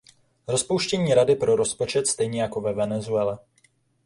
Rozpuštění Rady pro rozpočet, stejně jako ve Venezuele.